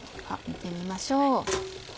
見てみましょう。